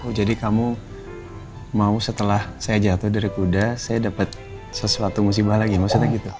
oh jadi kamu mau setelah saya jatuh dari kuda saya dapat sesuatu musibah lagi maksudnya gitu